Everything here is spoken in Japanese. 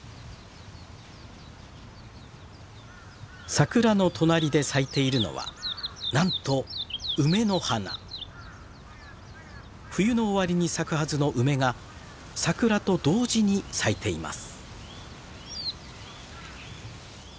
桜の隣で咲いているのはなんと冬の終わりに咲くはずの梅が桜と同時に咲いています。